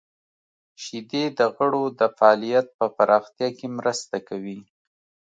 • شیدې د غړو د فعالیت په پراختیا کې مرسته کوي.